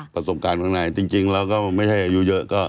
ประสบการณ์ข้างในจริงแล้วก็ไม่ใช่อายุเยอะก็